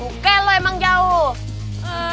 oke lo emang jauh